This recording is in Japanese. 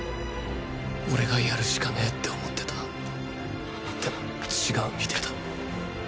俺がやるしかねぇって思ってたでも違うみてぇだ。